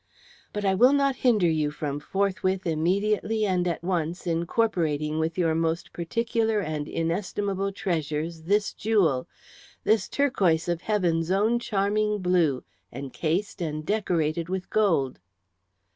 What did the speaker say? "But I will not hinder you from forthwith immediately and at once incorporating with your most particular and inestimable treasures this jewel, this turquoise of heaven's own charming blue, encased and decorated with gold."